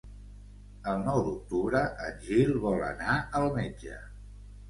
El nou d'octubre en Gil vol anar al metge.